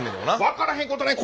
分からへんことない。